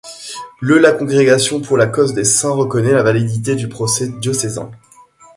Le la congrégation pour la cause des saints reconnait la validité du procès diocésain.